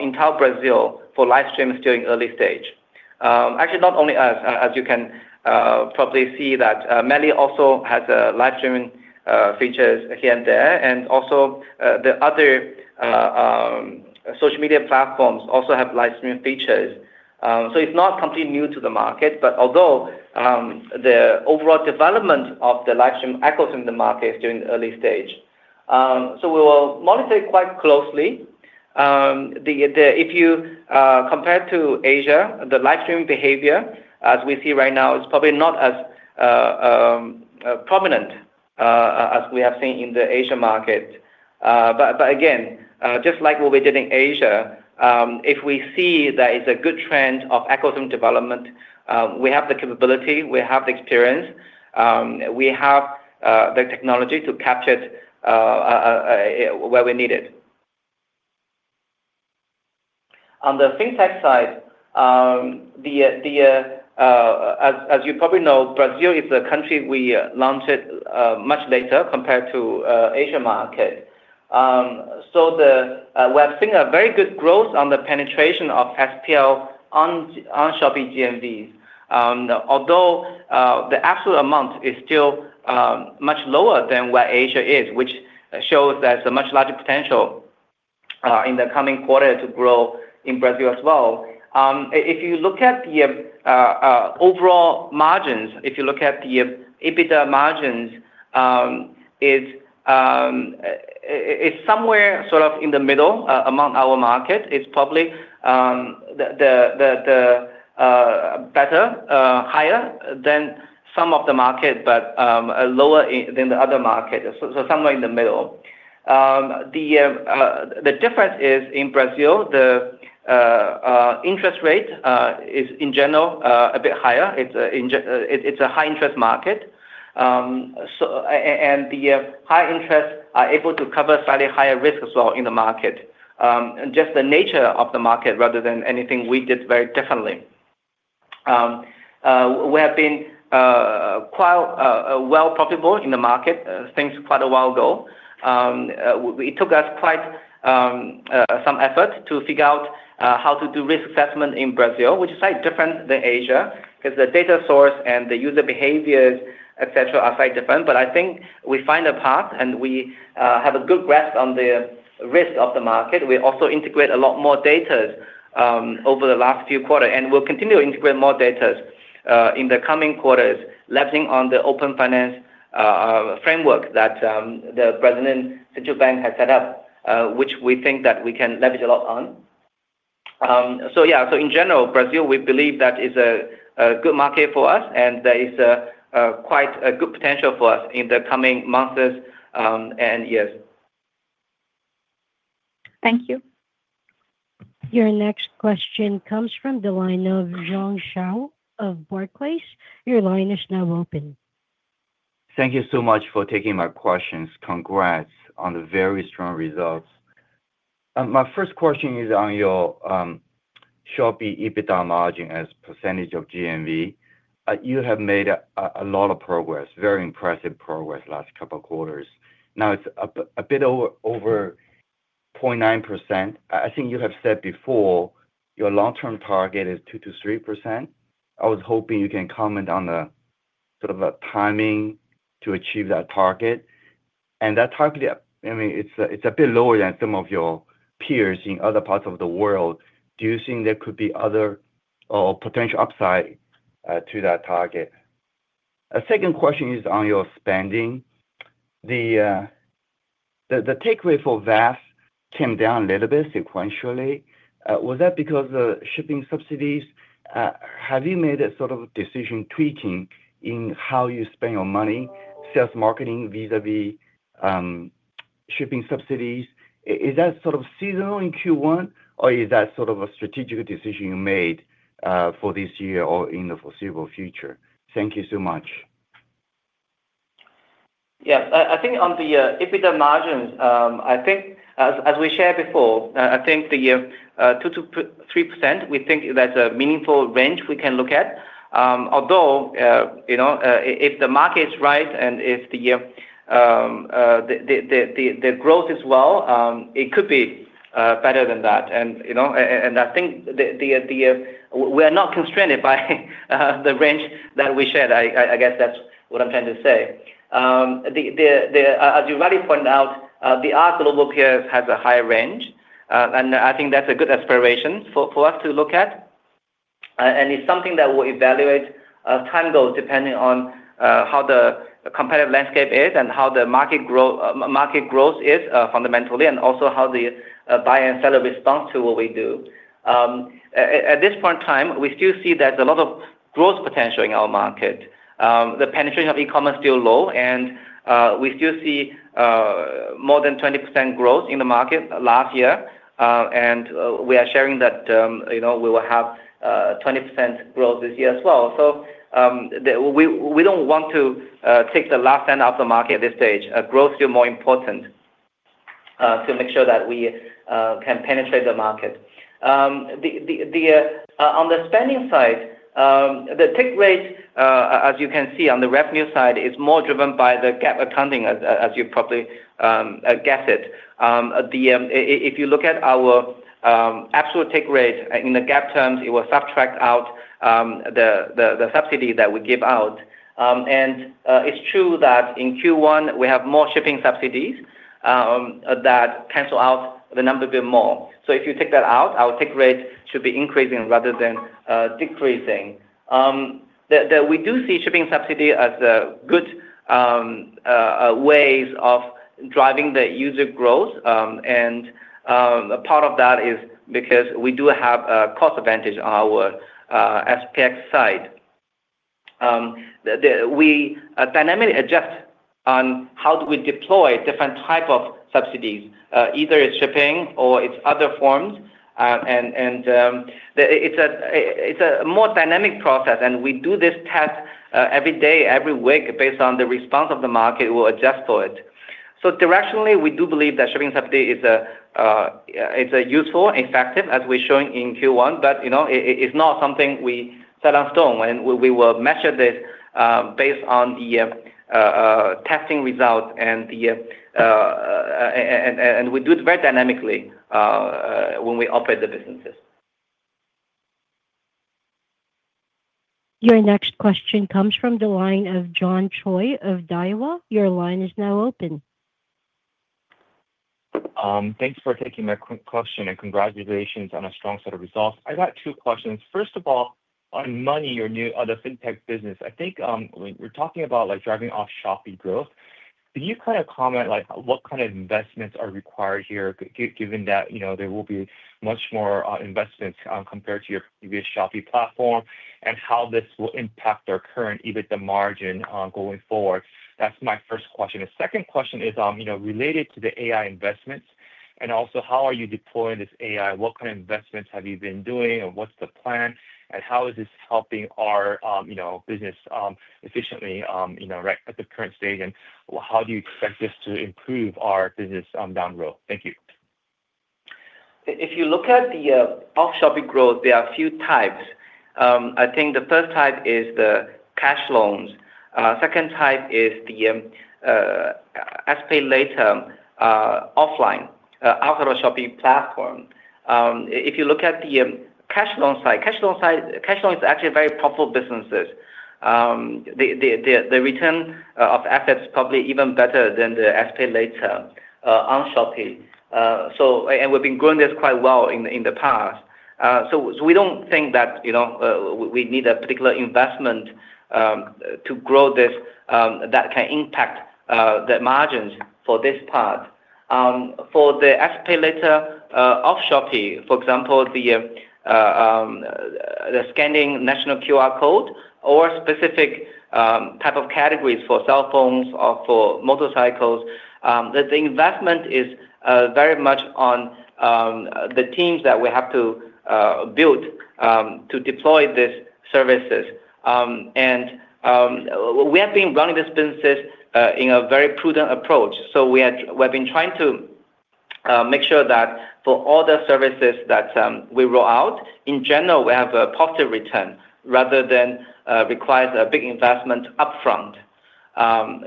in Brazil for live stream is still in the early stage. Actually, not only us, as you can probably see that MELI also has live streaming features here and there. Also, the other social media platforms have live streaming features. It is not completely new to the market, although the overall development of the live stream ecosystem in the market is still in the early stage. We will monitor it quite closely. If you compare to Asia, the live streaming behavior, as we see right now, is probably not as prominent as we have seen in the Asia market. Again, just like what we did in Asia, if we see that it's a good trend of ecosystem development, we have the capability, we have the experience, we have the technology to capture it where we need it. On the fintech side, as you probably know, Brazil is a country we launched much later compared to the Asia market. We're seeing very good growth on the penetration of SPL on Shopee GMVs, although the absolute amount is still much lower than where Asia is, which shows there's a much larger potential in the coming quarter to grow in Brazil as well. If you look at the overall margins, if you look at the EBITDA margins, it's somewhere sort of in the middle among our market. It's probably better, higher than some of the market, but lower than the other market. Somewhere in the middle. The difference is in Brazil, the interest rate is, in general, a bit higher. It's a high-interest market. The high interests are able to cover slightly higher risk as well in the market, just the nature of the market rather than anything we did very differently. We have been quite well profitable in the market since quite a while ago. It took us quite some effort to figure out how to do risk assessment in Brazil, which is slightly different than Asia because the data source and the user behaviors, etc., a`re slightly different. I think we find a path, and we have a good grasp on the risk of the market. We also integrate a lot more data over the last few quarters, and we'll continue to integrate more data in the coming quarters leveraging on the open finance framework that the Brazilian central bank has set up, whic`h we think that we can leverage a lot on. Yeah, in general, Brazil, we believe that is a good market for us, and there is quite a good potential for us in the coming months and years. Thank you. Your next question comes from the line of Jiong Shao of Barclays. Your line is now open. Thank you so much for taking my questions. Congrats on the very strong results. My first question is on your Shopee EBITDA margin as percentage of GMV. You have made a lot of progress, very impressive progress the last couple of quarters. Now it's a bit over 0.9%. I think you have said before your long-term target is 2%-3%. I was hoping you can comment on the sort of timing to achieve that target. And that target, I mean, it's a bit lower than some of your peers in other parts of the world. Do you think there could be other potential upside to that target? A second question is on your spending. The takeaway for VAS came down a little bit sequentially. Was that because of shipping subsidies? Have you made a sort of decision tweaking in how you spend your money, sales marketing vis-à-vis shipping subsidies? Is that sort of seasonal in Q1, or is that sort of a strategic decision you made for this year or in the foreseeable future? Thank you so much. Yes. I think on the EBITDA margins, I think, as we shared before, I think the 2%-3%, we think that's a meaningful range we can look at. Although if the market is right and if the growth is well, it could be better than that. I think we are not constrained by the range that we shared. I guess that's what I'm trying to say. As you rightly pointed out, the other global peers have a higher range, and I think that's a good aspiration for us to look at. It is something that we'll evaluate as time goes depending on how the competitive landscape is and how the market growth is fundamentally and also how the buyer and seller responds to what we do. At this point in time, we still see there's a lot of growth potential in our market. The penetration of e-commerce is still low, and we still see more than 20% growth in the market last year. We are sharing that we will have 20% growth this year as well. We do not want to take the last stand of the market at this stage. Growth is still more important to make sure that we can penetrate the market. On the spending side, the take rate, as you can see on the revenue side, is more driven by the GAAP accounting, as you probably guess it. If you look at our absolute take rate in the GAAP terms, it will subtract out the subsidy that we give out. It is true that in Q1, we have more shipping subsidies that cancel out the number a bit more. If you take that out, our take rate should be increasing rather than decreasing. We do see shipping subsidy as good ways of driving the user growth. Part of that is because we do have a cost advantage on our SPX side. We dynamically adjust on how we deploy different types of subsidies, either it's shipping or it's other forms. It's a more dynamic process, and we do this test every day, every week based on the response of the market. We'll adjust for it. Directionally, we do believe that shipping subsidy is useful, effective, as we're showing in Q1, but it's not something we set on stone. We will measure this based on the testing results, and we do it very dynamically when we operate the businesses. Your next question comes from the line of John Choi of Daiwa. Your line is now open. Thanks for taking my question, and congratulations on a strong set of results. I got two questions. First of all, on Monee or the fintech business, I think we're talking about driving off-Shopee growth. Could you kind of comment on what kind of investments are required here, given that there will be much more investments compared to your previous Shopee platform and how this will impact our current EBITDA margin going forward? That's my first question. The second question is related to the AI investments and also how are you deploying this AI? What kind of investments have you been doing, and what's the plan, and how is this helping our business efficiently at the current stage, and how do you expect this to improve our business down the road? Thank you. If you look at the off-Shopee growth, there are a few types. I think the first type is the cash loans. The second type is the SPayLater offline, outside of Shopee platform. If you look at the cash loan side, cash loans are actually very profitable businesses. The return of assets is probably even better than the SPayLater on Shopee. We've been growing this quite well in the past. We don't think that we need a particular investment to grow this that can impact the margins for this part. For the SPayLater off-Shopee, for example, the scanning national QR code or specific type of categories for cell phones or for motorcycles, the investment is very much on the teams that we have to build to deploy these services. We have been running this business in a very prudent approach. We have been trying to make sure that for all the services that we roll out, in general, we have a positive return rather than require a big investment upfront.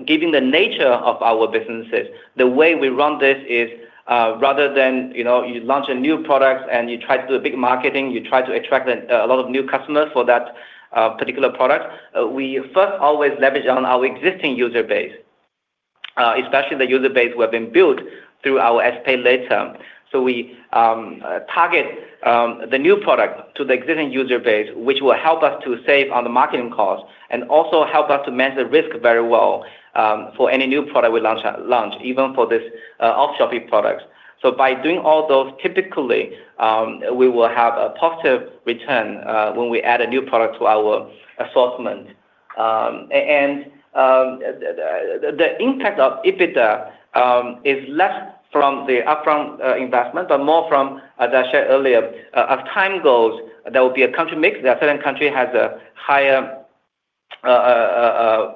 Given the nature of our businesses, the way we run this is rather than you launch a new product and you try to do a big marketing, you try to attract a lot of new customers for that particular product, we first always leverage on our existing user base, especially the user base we have been built through our SPayLater. We target the new product to the existing user base, which will help us to save on the marketing cost and also help us to manage the risk very well for any new product we launch, even for these off-Shopee products. By doing all those, typically, we will have a positive return when we add a new product to our assortment. The impact of EBITDA is less from the upfront investment, but more from, as I shared earlier, as time goes, there will be a country mix that a certain country has a higher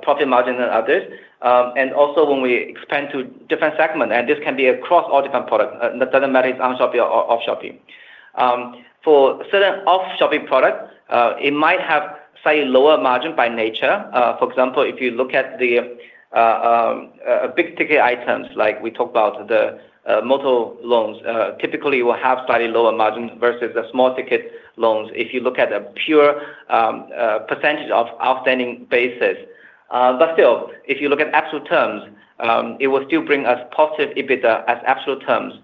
profit margin than others. Also, when we expand to different segments, and this can be across all different products, it does not matter if it is on Shopee or off-Shopee. For certain off-Shopee products, it might have slightly lower margin by nature. For example, if you look at the big-ticket items like we talked about, the motor loans typically will have slightly lower margins versus the small-ticket loans if you look at a pure percentage of outstanding basis. Still, if you look at absolute terms, it will still bring us positive EBITDA as absolute terms.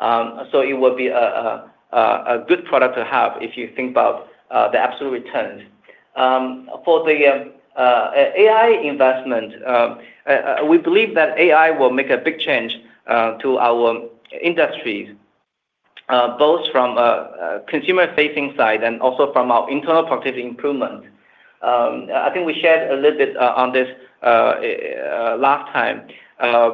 It will be a good product to have if you think about the absolute returns. For the AI investment, we believe that AI will make a big change to our industries, both from a consumer-facing side and also from our internal productivity improvement. I think we shared a little bit on this last time. As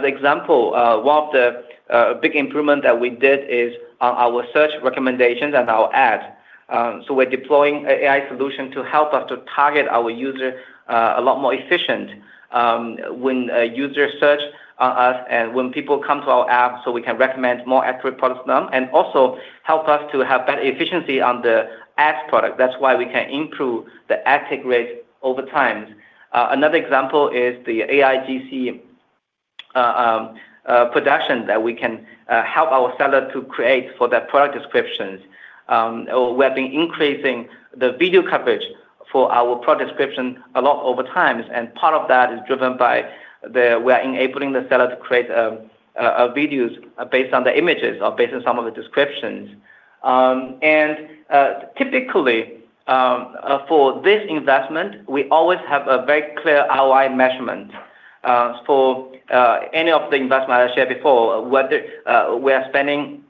an example, one of the big improvements that we did is on our search recommendations and our ads. We are deploying an AI solution to help us to target our users a lot more efficiently when users search on us and when people come to our app so we can recommend more accurate products to them and also help us to have better efficiency on the ads product. That is why we can improve the ad click rates over time. Another example is the AIGC production that we can help our seller to create for their product descriptions. We have been increasing the video coverage for our product description a lot over time. Part of that is driven by where we're enabling the seller to create videos based on the images or based on some of the descriptions. Typically, for this investment, we always have a very clear ROI measurement for any of the investments I shared before, whether we are spending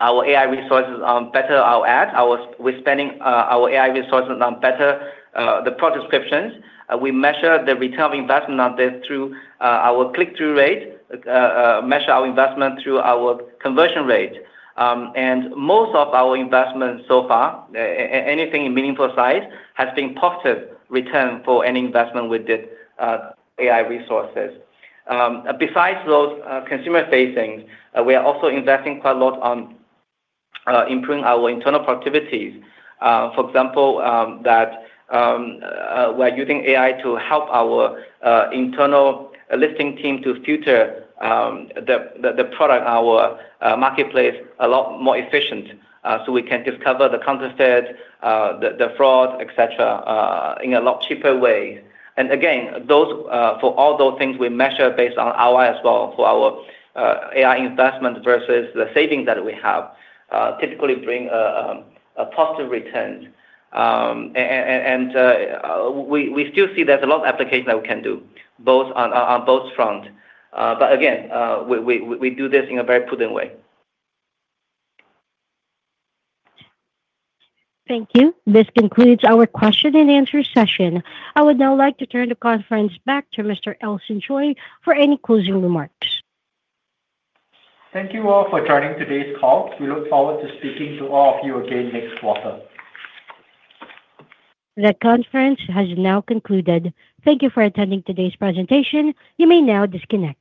our AI resources on better our ads, we're spending our AI resources on better the product descriptions. We measure the return of investment on this through our click-through rate, measure our investment through our conversion rate. Most of our investments so far, anything in meaningful size, has been positive return for any investment with the AI resources. Besides those consumer-facings, we are also investing quite a lot on improving our internal productivities. For example, that we're using AI to help our internal listing team to filter the product, our marketplace, a lot more efficiently so we can discover the counterfeit, the fraud, etc., in a lot cheaper way. For all those things, we measure based on ROI as well for our AI investment versus the savings that we have, typically bringing positive returns. We still see there's a lot of applications that we can do on both fronts. We do this in a very prudent way. Thank you. This concludes our question-and-answer session. I would now like to turn the conference back to Mr. Elson Choi for any closing remarks. Thank you all for joining today's call. We look forward to speaking to all of you again next quarter. The conference has now concluded. Thank you for attending today's presentation. You may now disconnect.